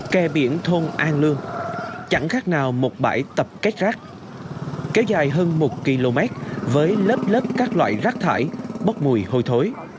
kè biển thôn an lương chẳng khác nào một bãi tập kết rác kéo dài hơn một km với lớp lớp các loại rác thải bốc mùi hôi thối